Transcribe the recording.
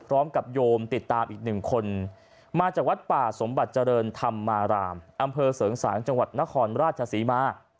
พร้อมกับโยมติดตามอีกหนึ่งคนมาจากวัดป่าสมบัติเจริญธรรมารามอำเภอเสริงสางจังหวัดนครราชศรีมา